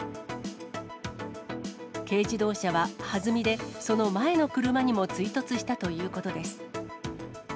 軽自動車ははずみでその前の車にも追突したということです。